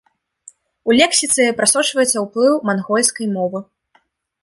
У лексіцы прасочваецца ўплыў мангольскай мовы.